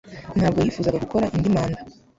Ntabwo yifuzaga gukora indi manda.